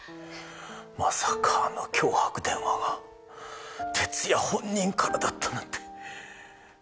まさかあの脅迫電話が哲弥本人からだったなんて。